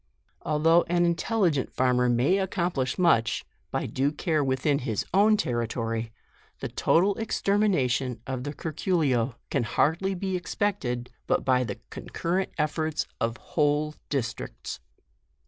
Al though an intelligent farmer may accomplish much, by due care within his own territory, the total extermination of the curculio can hardly be expected, but by the concurrent efForts of whole districts.